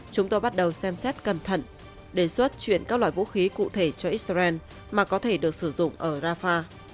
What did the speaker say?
chúng tôi bắt đầu xem xét cẩn thận đề xuất chuyển các loại vũ khí cụ thể cho israel mà có thể được sử dụng ở rafah